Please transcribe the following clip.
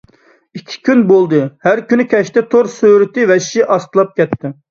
ئىككى كۈن بولدى، ھەر كۈنى كەچتە تور سۈرئىتى ۋەھشىي ئاستىلاپ كەتتى.